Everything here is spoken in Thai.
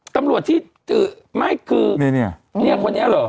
ตำรวจที่ไม่คือคนนี้เหรอ